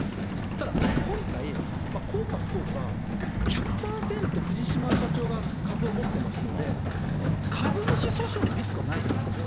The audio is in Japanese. ただ今回、幸か不幸か、１００％藤島社長が株を持ってますので、株主訴訟のリスクはないじゃないですか。